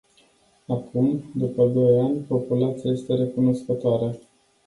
Acum, după doi ani, populația este recunoscătoare.